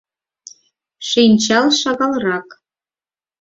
Шинчал шагалрак.